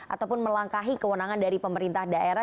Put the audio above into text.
ataupun melangkahi kewenangan dari pemerintah daerah